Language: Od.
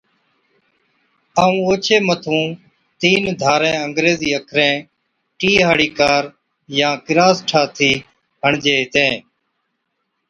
ائُون اوڇي مَٿُون تين ڌاري انگريزي اکرين T ھاڙِي ڪار يان ڪِراس ٺاٿِي ھڻجي ھِتين